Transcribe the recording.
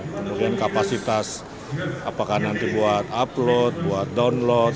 kemudian kapasitas apakah nanti buat upload buat download